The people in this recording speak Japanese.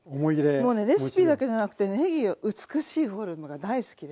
もうねレシピだけじゃなくてねぎ美しいフォルムが大好きで。